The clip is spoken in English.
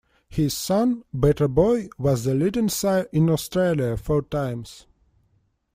His son, Better Boy, was the Leading sire in Australia four times.